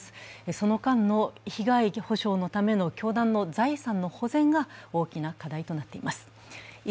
その間の被害補償のため教団の財産の保全が大きな課題となっています。